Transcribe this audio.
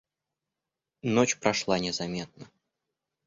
Ночь прошла незаметно.